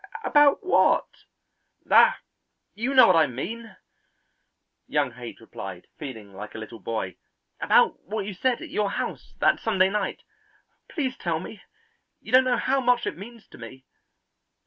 "About what?" "Ah, you know what I mean," young Haight replied, feeling like a little boy, "about what you said at your house that Sunday night. Please tell me; you don't know how much it means to me."